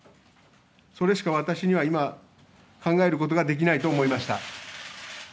それしか私には今、考えることができないと思いました。